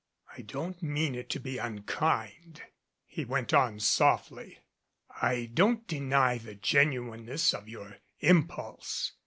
"I don't mean it to be unkind," he went on softly. "I don't deny the genuineness of your impulse.